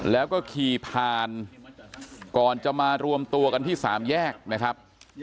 แล้วก็ขี่ผ่านก่อนจะมารวมตัวกันที่สามแยกนะครับ